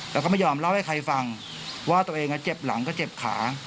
แล้วก็ไม่ยอมเล่าให้ใครฟังว่าตัวเองเจ็บหลังก็เจ็บขา